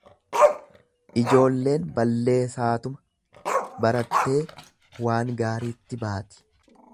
ljoolleen balleesaatuma barattee waan gaariitti baati.